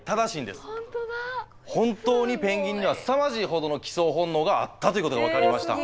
本当にペンギンにはすさまじいほどの帰巣本能があったということが分かりました。